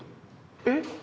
「えっ？」。